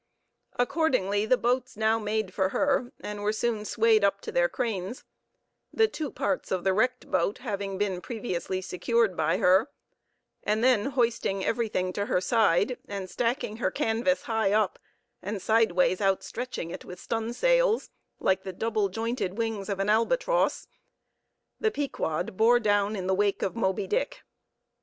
Accordingly, the boats now made for her, and were soon swayed up to their cranes—the two parts of the wrecked boat having been previously secured by her; and then hoisting everything to her side, and stacking her canvas high up, and sideways outstretching it with stun sails, like the double jointed wings of an albatross, the Pequod bore down in the wake of Moby Dick.